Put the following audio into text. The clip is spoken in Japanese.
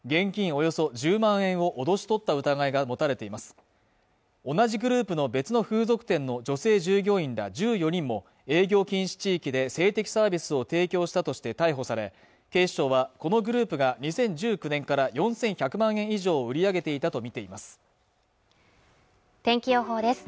およそ１０万円を脅し取った疑いが持たれています同じグループの別の風俗店の女性従業員ら１４人も営業禁止地域で性的サービスを提供したとして逮捕され警視庁はこのグループが２０１９年から４１００万円以上を売り上げていたとみています天気予報です